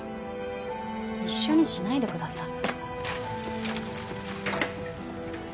一緒にしないでください。